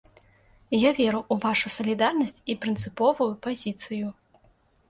Я веру ў вашу салідарнасць і прынцыповую пазіцыю.